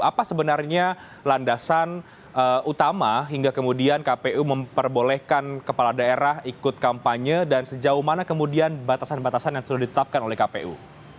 apa sebenarnya landasan utama hingga kemudian kpu memperbolehkan kepala daerah ikut kampanye dan sejauh mana kemudian batasan batasan yang sudah ditetapkan oleh kpu